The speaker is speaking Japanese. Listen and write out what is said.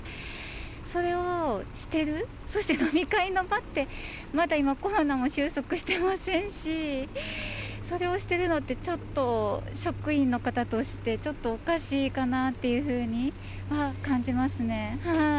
それをしてる、そして飲み会の場って、まだ今、コロナも収束してませんし、それをしてるのって、ちょっと職員の方として、ちょっとおかしいかなっていうふうに感じますね。